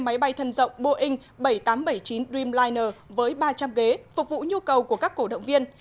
máy bay thân rộng boeing bảy trăm tám mươi bảy chín dreamliner với ba trăm linh ghế phục vụ nhu cầu của các cổ động viên